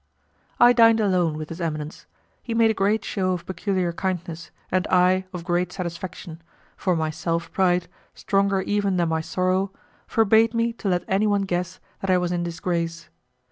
I dined alone with his eminence; he made a great show of peculiar kindness and I of great satisfaction, for my self pride, stronger even than my sorrow, forbade me to let anyone guess that I was in disgrace.